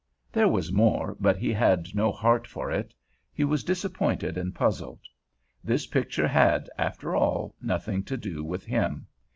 There was more, but he had no heart for it; he was disappointed and puzzled. This picture had, after all, nothing to do with him.